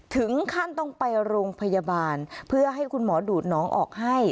ถึงขั้นต้องไปโรงพยาบาลเพื่อให้คุณหมอดูดน้องออกให้